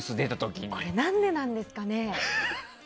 これ、何でなんですかね。